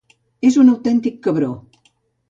És un autèntic cabró.